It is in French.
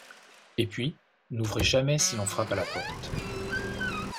Et puis, n’ouvrez jamais si l’on frappe à la porte.